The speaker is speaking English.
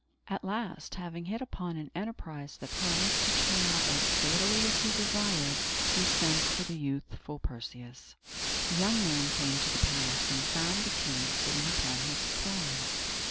At last, having hit upon an enterprise that promised to turn out as fatally as he desired, he sent for the youthful Perseus. The young man came to the palace, and found the king sitting upon his throne.